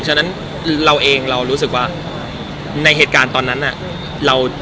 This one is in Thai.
ฉะนั้นเราเองเรารู้สึกว่าในเหตุการณ์ตอนนั้นน่ะ